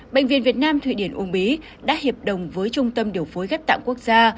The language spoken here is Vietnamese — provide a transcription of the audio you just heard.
bệnh viện việt nam thủy điển úc bí đã hiệp đồng với trung tâm điều phối gấp tạng quốc gia